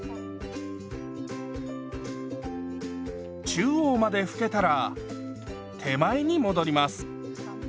中央まで拭けたら手前に戻ります。